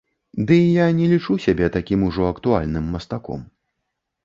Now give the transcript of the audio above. Ды і я не лічу сябе такім ужо актуальным мастаком.